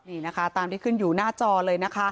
นี่นะคะตามที่ขึ้นอยู่หน้าจอเลยนะคะ